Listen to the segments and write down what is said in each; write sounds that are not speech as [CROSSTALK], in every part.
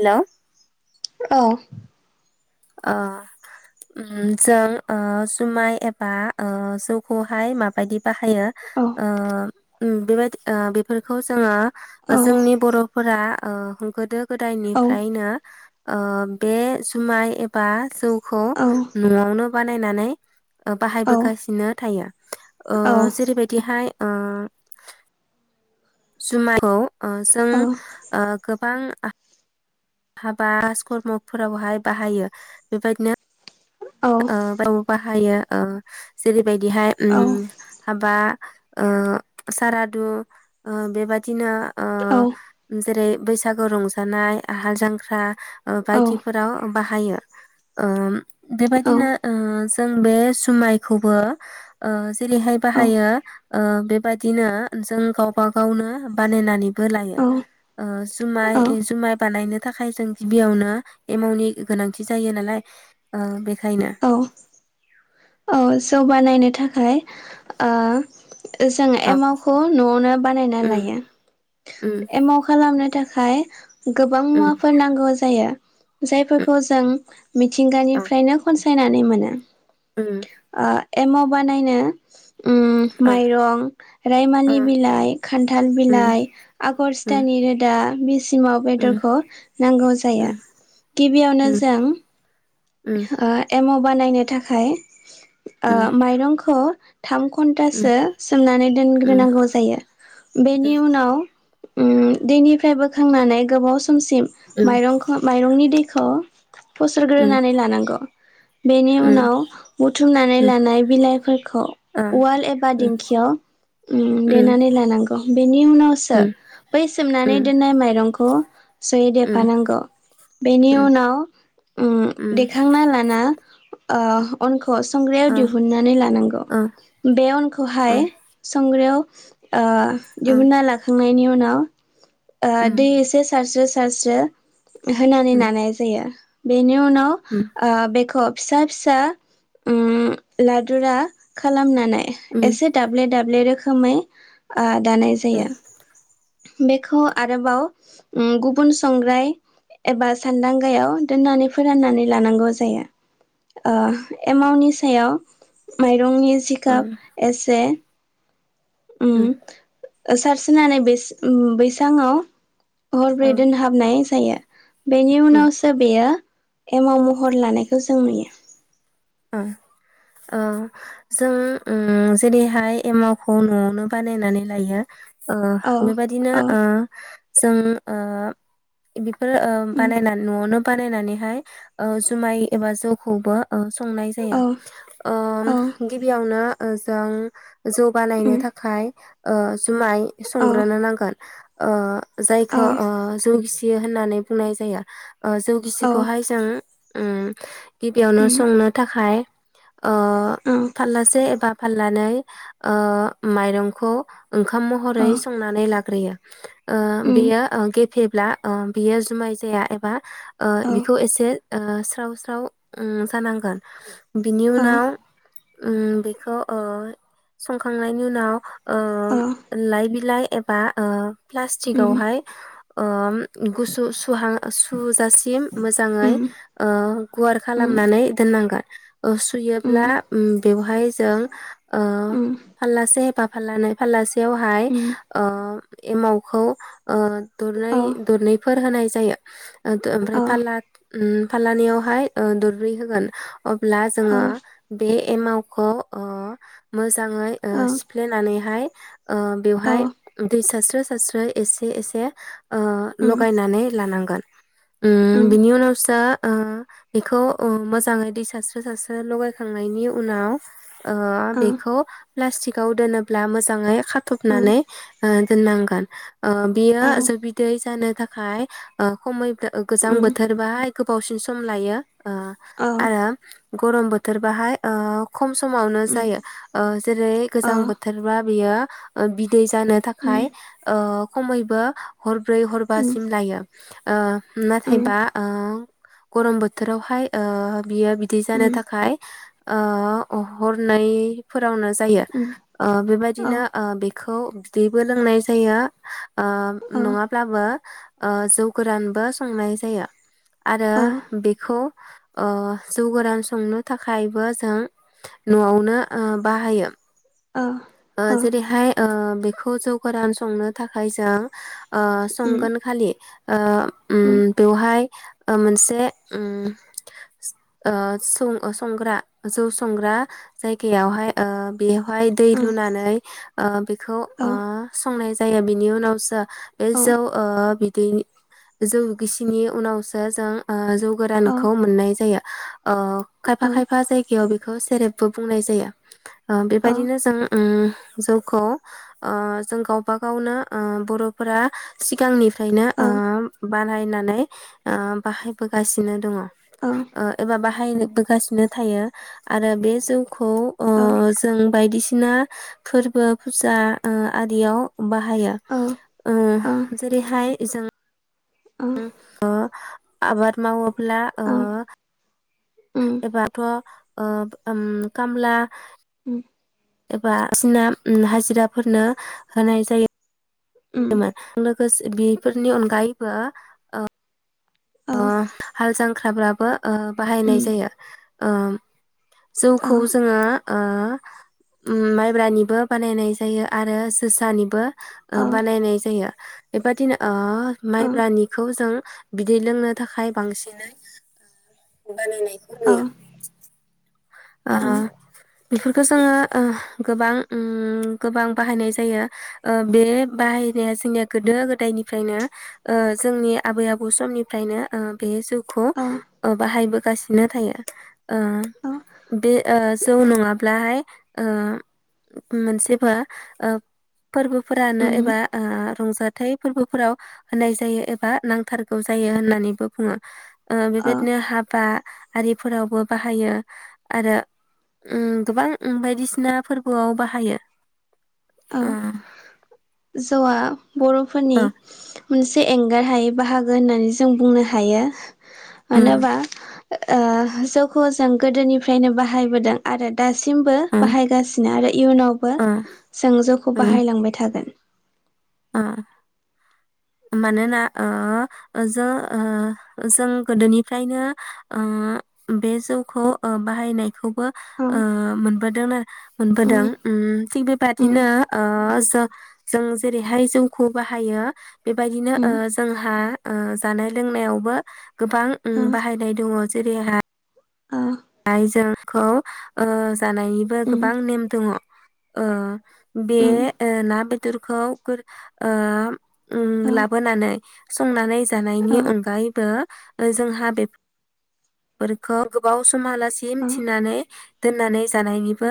हेल' औ ओ म जों ओ जुमाय एबा ओ जौखौहाय माबायदि बाहायो ओ ओम बेबायदि ओ बेफोरखौ जोङो जोंनि बर'फोरा ओ गोदो गोदायनिफ्रायनो ओ बे जुमाइ एबा जौखौ न'आवनो बानायनानै ओ बाहायबोगासिनो थायो ओ जेरैबायदिहाय जुमाइखौ ओ जों ओ गोबां हाबा काजकर्मफोरावहाय बाहायो बेबायदिनो आ औ बाहायो ओ जेरै बायदिहाय ओम हाबा ओ सारादु ओ बेबदिनो ओ जेरै बैसागो रंजानाय हाल जांख्रा ओ बायदिफोराव बाहायो ओ बेबायदि दिनो ओ जों बे जुमायखौबो ओ जेरैहाय बाहायो ओ बेबायदिनो जों गावबा-गावनो बानायनानै बो लायो ओ जुमाइ ओ जुमाय बानायनो थाखाय जों गिबियावनो एमावनि गोनांथि जायो नालाय ओ बे खायना औ जौ बानायनो थाखाय ओ जों औ एमावखौ न'आवनो बानायना लायो एमाव खालामनो थाखाय गोबां मुवाफोर नांगौ जायो जायफोरखौ जों मिथिंगानिफ्रायनो खनसायनानै नै मोनो ओम ओ एमाव बानायनो उम माइरं रायमालि बिलाइ खानथाल बिलाइ आगर सिथानि रोदा बिसिमाव बेदरखौ नांगौ जाया गिबियावनो जों आ एमाव बानायनो थाखाय आ माइरंखौ थाम घन्टासो सोमनानै दोनग्रोनांगौ जायो बेनि उनाव ओ दैनिफ्राय बोखांनानै गोबाव सम समसिम माइरंनि दै खौ फसर नानै लानांगौ बेनि उनाव बुथुमनानै लानाय बिलाइफोरखौ उवाल एबा दिंखियाव ओ देनानै लानांगौ बेनि उनावसो बै सोमनानै दोननाय माइरंखौ ज'यै देरफानांगौ बेनि उनाव ओ देखांना लाना अ अनखौ संग्रायाव दिहुननानै लानांगौ बे आं नखौहाय संग्रायाव [UNINTELLIGIBLE] आं दिहुना लाखांनायनि उनाव [UNINTELLIGIBLE] अ दै एसे सारस्रो सारस्रो होनानै नानाय जायो बेनि उनाव बेखौ फिसा फिसा उम लादुरा खालामनानै एसे दाब्ले दाब्ले रोखो खोमै [UNINTELLIGIBLE] दानाय जायो बेखौ आरोबाव गुबुन संग्राय एबा सानदांगायाव दोननानै फोराननानै लानांगौ जायो एमावनि सायाव [UNINTELLIGIBLE] माइरंनि सिखाब एसे [UNINTELLIGIBLE] सारसोनानै बोइस बैसाङाव हरब्रै दोनहाबनाय जायो [INAUDIBLE] बेनि उनावसो बेयो एमाव महर लानायखौ जों नुयो ओ जों जेरैहाय एमावखौ न'आवनो बानायनानै लायो ओ औ बेबादिनो औ ओ जों ओ ओ उम बानायना न'आवनो बानायनानैहाय ओ जुमाय एबा जौखौबो ओ संनाय जायो औ औ ओ गिबियावनो ओजों जौ बानायनो उम थाखाय [UNINTELLIGIBLE] जुमाय औ संग्रोनो नांगोन ओ औ जायखौ ओ जौगि सि होननानै बुंनाय जायो ओ जौ औ गिसिखौहाय जों उम गिबियावनो उम संनो थाखाय ओ औ फारलासे एबा फाललानै ओ माइरंखौ ओंखाम औ महरै संनानै ला ग्रोयो ओ उम बेयो ओ गेफे ब्ला ओ बियो जुमाय जाया एबा ओ औ बिखौ एसे ओ स्राव स्राव उम जानांगोन [INAUDIBLE] बिनि औ उनाव उम बेखौ ओ संखांनायनि उनाव ओ औ लाइ बिलाइ एबा ओ प्लास्टिक उम आवहाय ओम गुसु सुहा सुजासिम मोजाङै उम ओ गुवार उम खालामनानै नांगोन ओ सुयोब्ला उम बेवहाय जों ओ उम फाललासे बा फाललानै फाललास से आवहाय उम ओम एमावखौ ओ औ दरनै दरनैफोर होनाय जायो। ओथो ओमफ्राय औ फालाद उम फाललानैयावहाय ओ दरब्रै होगोन। अब्ला जोङो औ बे एमावखौ ओ मोज जाङै ओ औ सिफ्लेनानैहाय ओ बेवहाय दैसास स्रो सारस्रो एसे एसे ओ उम लगायनानै लानांगोन। उम बिनि उनावसो ओ बेखौ अ मोज जाङै दै सास्रो सास्रो लगायखांनायनि उनाव ओ औ बेखौ प्लास्टिकआव दोनोब्ला मोजाङै उम खाथबनानै ओ दोननांगोन ओ बियो औ जौ बिदै जानो थाखाय ओ खमैबो गो गोजां उम औ उम बोथोर बाइ गोबावसिन सम लायो ओ औ आरो गरम बोथोर बाहायनाय ओ खम समावनो जायो ओ जेरै गोजां बोथोरबा बेयो दै जानो उम थाखाय ओ खमैबो हर ब्रै उम हरबासिम लायो ओ नाथायबा उम ओ गरम बोथोरावहाय ओ बियो बिदि जानो उम थाखाय ओ हरनैफोर आवनो जायो उम ओ औ बेबायदिनो ओ खौ बिदैबो लोंनाय जायो ओ औ नङाब्लाबो ओ जौ गोरानबो संनाय जायो आरो औ बेखौ ओ जौ गोरान संनो थाखायबो जों न'आवनो ओ बाहायो ओ जेरैहाय ओ बेखौ जौ गोरान संनो थाखाय जों ओ संगोन खालि ओ उम बेवहाय ओ मोनसे उम संग्रा जौ संग्रा जायगायाव हाय ओ बेवहाय लुनानै ओ बेखौ ओ संनाय जाया जायो बिनि उनावसो बे जौ ओ [UNINTELLIGIBLE] जौ गिसिनि उनावसो जों ओ जौ गोरानखौ मोननाय जायो। ओ खायफा- खायफा जायगायाव बे बेखौ सेरेबबो बुंनाय जायो। ओ बे बायदिनो जों ओम जौखौ ओ जों गावबा गावनो ओ बर'फोरा सिगां निफ्रायनो ओ बानायनानै ओ बाहायबोगासिनो दंङो। ओ एबा बा बाहायबोगासिनो थायो आरो बे जौ खौ ओ जों बायदिसि सिना फोरबो फुजा ओ आरियाव बाहायो ओ जेरैहाय जों [UNINTELLIGIBLE] आबाद मावो खुला ओ एबारथ' ओब ओम कामला उम एबा सिना उम हाजिराफोरनो होनाय जायो। [UNINTELLIGIBLE] लोगोसे बेफोरनि अनगायैबो ओ ओ हाल जां ख्राब्राबो ओ बाहायनाय जायो। ओम जौखौ जोङो ओ माइब्रानिबो बानायनाय जायो आरो जोसानिबो ओ बानायनाय जायो। बेबादिनो ओ माइब्रानिखौ जों बि दै लोंनो थाखाय बांसिनै बानायनायखौ नुयो। ओ बेफोरखौ जोङो ओ गोबां उम गोबां बाहायनाय जायो ओ बे बाहायनाया जोंनिया गोदो गोदायनिफ्रायनो ओ जोंनि आबै आबौ समनिफ्रायनो ओ बे जौ खौ ओ बाहायबो गासिनो थायो ओ बे ओ जौ नङाब्लाहाय ओ मोनसिफो ओ फोरबोफोरानो एबा ओ रंजाथाइ फोरबोफोराव होनाय जायो एबा नांथारगौ जायो होननानैबो बुङो ओ बेबायदिनो हाबा आरिफोरावबो बाहायो आरो ओ गोबां बायदिसिना फोरबोआव बाहायो औ उम जौवा बर'फोरनि ओ मोनसे एंगार हायै बाहागो होननानै जों बुंनो हायो मानो उम हिनबा ओ जौखौ जों गोदोनिफ्रायनो बाहायबोदों आरो दासिम मबो उम बाहायगासिनो आरो इयुनावबो ओ जों जौखौ बाहायलांबाय थागोन औ मानोना ओ ओ जो ओ जों गोदोनिफ्रायनो ओ बे जौखौ बाहायनाय खौबो औ ओ मोनबोदों उम मोनबोदों ओम थिग उम बेबायदिनो ओ जो जों जेरैहाय जोंखौ बाहायो बेबायदिनो उम ओ जोंहा ओ जानाय लोंनायावबो गोबां ओम ओ बाहायनाय दङ जेरैहाय ओ आइ जेंखौ जानायनिबो उम गोबां नेम दोङ' ओ बे उम ओ ना बेदरखौ गोर ओ ओम औ लाबोनानै संनानै औ जानायनि अनगायैबो ओजोंहा बेफ फोरखौ गोबाव समहालासिम थिनानै दोननानै जानायनिबो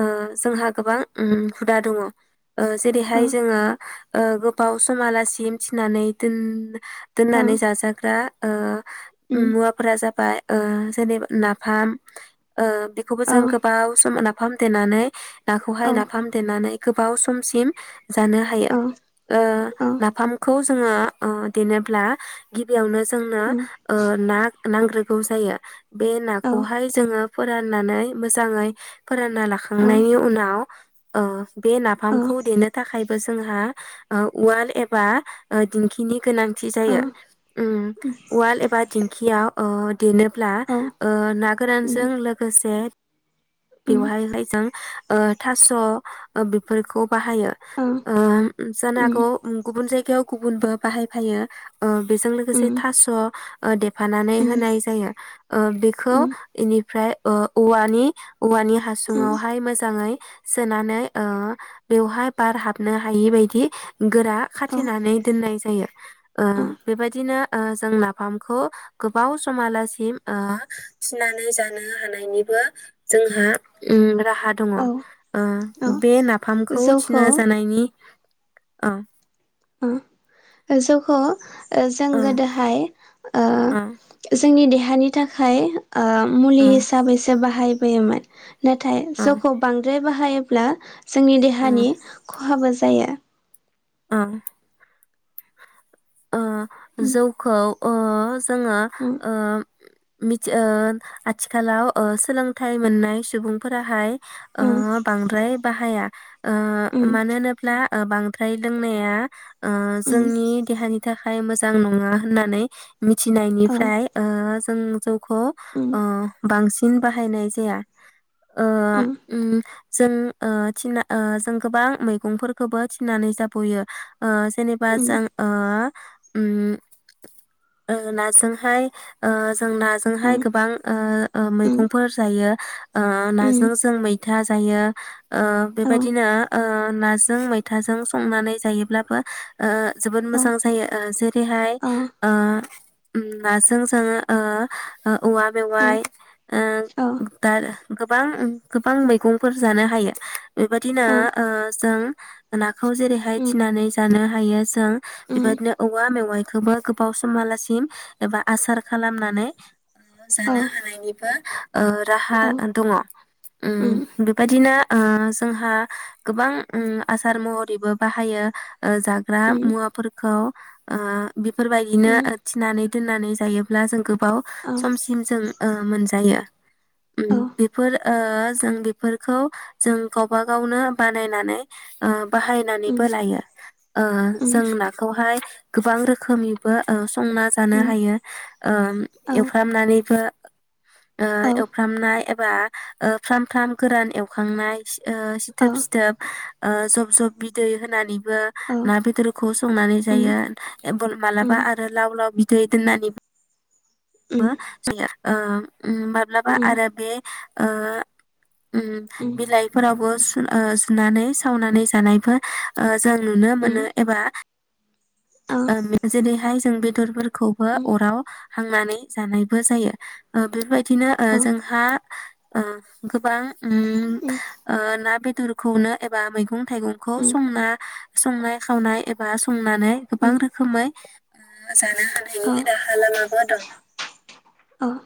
ओ जोंहा गोबां ओम हुदा दङ'। ओ औ जेरैहाय जोङो ओ गो बाव समालासिम थिनानै दोन औ दोननानै जाजाग्रा ओ उम मुवाफोरा जाबाय ओ जेनेबा ना फाम ओ बेखौबो औ जों गोबाव सम फाम देनानै औ नाखौहाय नाफाम देनानै गोबाव समसिम जानो हायो। औ ओ औ नाफामखौ ङो ओ देनोब्ला गिबियावनो ज जोंनो ओ ना नांग्रोगौ जायो बे नाख औ खौहाय जोङो फोराननानै मोजाङै फोरानना लाख खांनायनि उनाव ओ बे नाफामखौ देनो थाखाय बो जोंहा ओ उवाल एबा ओ दिंखिनि गोनांथि जायो। ओम उवाल एबा दिंखियाव अ देनोब्ला औ ओ ना उम गोरानजों लोगोसे उम बेवहाय [UNINTELLIGIBLE] जों ओ थास' बेफोरखौ बाहायो। औ उम ओ उम जानागौ गुबुन जायग [UNINTELLIGIBLE] गुबुनबो बाहायफायो ओ बेजों लोगोसे उम थास' ओ देन फानानै होनाय जायो खौ उम इन निफ्राय ओ औवानि औवानि उम हासुुङावहाय मोजाङै सोनानै ओ बेवहाय बार हाबनो हायि बायदि गोरा औ खाथेनानै दोननाय ज जायो बेबायदिनो जों नाफामखौ गोबाव समालासिम थिनानै जानो हानायनिबो जोंहा ओ रा हा दङ औ औ बे नाफामखौ जौखौ थिना जानायनि आ अ जौखौ जों ओं गोदोहाय ओ ओं जोंनि देहानि थाखाय ओ मुलि ओं हिसाबैसो बाहाय बोयोमोन नाथाय ओं जौखौ बांद्राय बाहायो ब्ला जोंनि ओं देहानि खहाबो जा जायो। अ ओ उम जौखौ ओ जोङो ओ मिथि ओ आथिखालाव ओ सोलोंथाइ मोननाय सुबुंफोराहाय उम ओ बांद्राय बाहाया। ओ उम मानो होनोब्ला ओ बांद्राय लोंनाया ओ उम जोंनि देहानि थाखाय मोजां नङा होननानै औ मिथिनायनिफ्राय ओ जों जौखौ उम ओ बांसिन बाहायनाय जाया। ओ उम जों ओ थिना ओ जों गोबां मैगंफोरखौबो थिनानै जाबयो ओ जेनेबा उम जों ओ उम ओ नाजोंहाय ओ जों नाजोंहाय उम गोबां ओ ओ उम मैगंफोर जायो। ओ उम नाजों जों मैथास जायो ओ औ बेबायदिनो ओ नाजों मैथाजों संनानै जायोब्लाबो ओ जोबोद मोजां जायो। जेरैहाय औ ओ उम नाजों जोङो ओ ओ औवा मेवाइ उम ओ औ दार गोबां गोबां मैगंफोर जानो हायो। बेबायदिनो औ ओ जों ना खौ जेरैहाय उम थिनानै जानो हायो जों उम बेबादनो मेवाइखोबो गोबाव समालासिम एबा आसार खालामनानै औ जानो हानायनिबो ओ राहा औ दङ उम बेबायदिनो ओ ओ जोंहा गोबां उम आसार महरैबो बाहायो ओ जाग्रा उम मुवाफोरखौ ओ बेफोरबायदिनो उम थिनानै दोननानै जायोब्ला जोंखौ गोबाव औ समसिम जों मोन जायो। उम औ बेफोर ओ ओ जों बेफोरखौ जों गावबा गावनो बानायनानै बाहायनानैबो उम लायो ओ उम जों नाखौहाय गोबां रोखोमनिबो ओ संना जानो उम हायो ओ औ एवफ्रामनानैबो ओ औ एवफ्रामनाय एबा फ्राम फ्राम गोरान एवखांनाय ओ सिथोब औ सिथोब ओ जब जब बिदै होनानै बो औ ना बेदरखौ संनानै औ जायो। मालाबा आरो लाव लाव बि दै [UNINTELLIGIBLE] नानि बो जोंङो ओ उम माब्लाबा आरो बे ओ उम बिलाइफोरावबो सु ओ सु- नानै सावनानै जानायबो ओ जों नुनो मोनो एबा ओ जेरैहाय जों बे [UNINTELLIGIBLE] खौबो अराव हांनानै जानायबो जायो ओ बेबायदि थिनो ओ जोंहा आ गोबां उम ओ ना बेद दुरखौनो एबा मैगुं थाइगंखौ संना संनाय-खावनाय एबा संनानै गोबां रोखोमै जानो औ हानायनि राहा लामाबो दं। अ